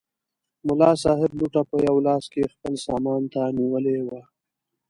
ملا صاحب لوټه په یوه لاس کې خپل سامان ته نیولې وه.